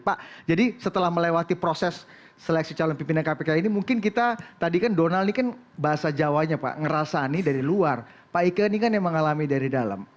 pak jadi setelah melewati proses seleksi calon pimpinan kpk ini mungkin kita tadi kan donald ini kan bahasa jawanya pak ngerasani dari luar pak ika ini kan yang mengalami dari dalam